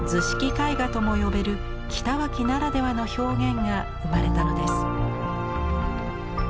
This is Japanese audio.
絵画とも呼べる北脇ならではの表現が生まれたのです。